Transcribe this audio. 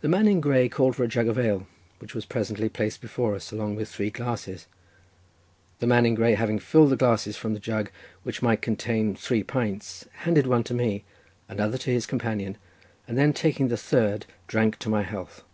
The man in grey called for a jug of ale, which was presently placed before us along with three glasses. The man in grey, having filled the glasses from the jug which might contain three pints, handed one to me, another to his companion, and then taking the third drank to my health.